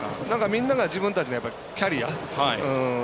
みんなが自分たちのキャリア。